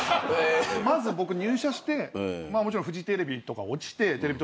まず僕入社してもちろんフジテレビとか落ちてテレビ東京行ったんすけど。